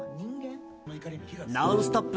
「ノンストップ！」